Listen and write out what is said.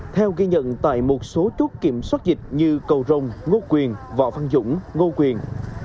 theo ghi nhận tại một số chốt kiểm soát dịch như cầu rồng ngô quyền võ văn dũng ngô quyền